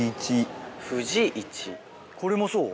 これもそう？